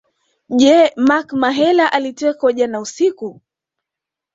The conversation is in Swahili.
Je Mark Mahela alitekwa jana usiku